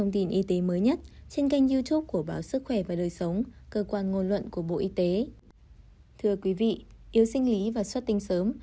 thưa quý vị yếu sinh lý và suất tinh sớm